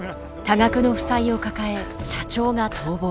多額の負債を抱え社長が逃亡。